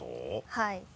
はい。